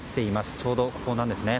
ちょうどここなんですね。